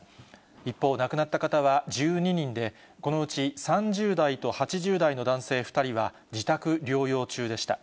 一方、亡くなった方は１２人で、このうち３０代と８０代の男性２人は、自宅療養中でした。